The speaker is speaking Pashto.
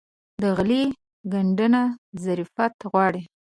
د غالۍ ګنډنه ظرافت غواړي.